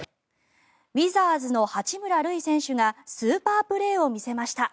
ウィザーズの八村塁選手がスーパープレーを見せました。